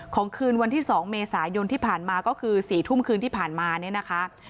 ของคืนวันที่สองเมษายนที่ผ่านมาก็คือสี่ทุ่มคืนที่ผ่านมาเนี้ยนะคะครับ